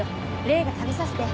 麗が食べさせて。